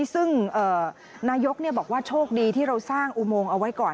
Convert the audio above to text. ซึ่งนายกบอกว่าโชคดีที่เราสร้างอุโมงเอาไว้ก่อน